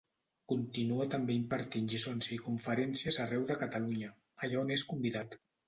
Continua també impartint lliçons i conferències arreu de Catalunya, allà on és convidat.